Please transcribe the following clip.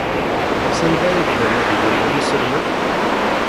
Sanda ay ddan ad gemren iselman?